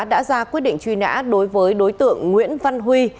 đã ra quyết định truy nã đối với đối tượng nguyễn văn huy